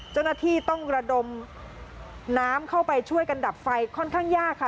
เจ้าหน้าที่ต้องระดมน้ำเข้าไปช่วยกันดับไฟค่อนข้างยากค่ะ